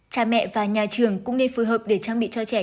cha mẹ và nhà trường cũng nên phù hợp để trang bị cho trẻ